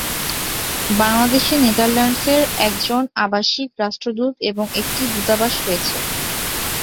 বাংলাদেশে নেদারল্যান্ডসের একজন আবাসিক রাষ্ট্রদূত এবং একটি দূতাবাস রয়েছে।